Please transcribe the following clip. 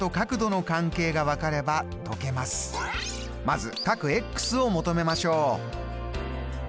まずを求めましょう。